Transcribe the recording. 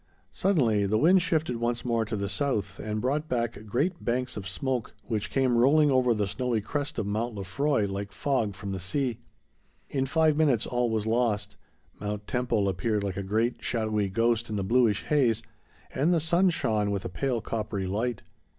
Suddenly, the wind shifted once more to the south and brought back great banks of smoke, which came rolling over the snowy crest of Mount Lefroy like fog from the sea. In five minutes all was lost. Mount Temple appeared like a great, shadowy ghost, in the bluish haze, and the sun shone with a pale coppery light.